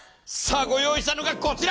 ご用意したのがこちら！